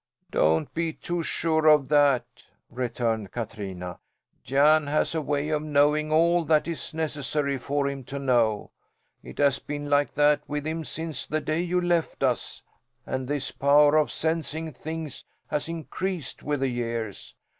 "Don't be too sure of that!" returned Katrina. "Jan has a way of knowing all that is necessary for him to know. It has been like that with him since the day you left us, and this power of sensing things has increased with the years.